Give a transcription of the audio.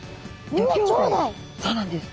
そうなんです。